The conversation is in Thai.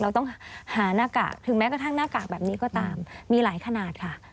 เราต้องหาหน้ากากถึงแม้กระทั่งหน้ากากแบบนี้ก็ตามมีหลายขนาดค่ะ